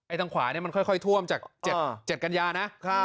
ทางขวานี่มันค่อยท่วมจาก๗กันยานะ